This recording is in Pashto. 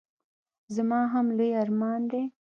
زما هم لوی ارمان دی.